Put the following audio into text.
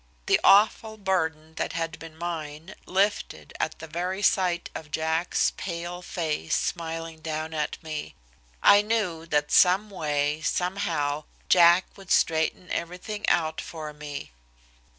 The awful burden that had been mine lifted at the very sight of Jack's pale face smiling down at me. I knew that someway, somehow, Jack would straighten everything out for me.